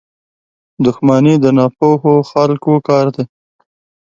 • دښمني د ناپوهو خلکو کار دی.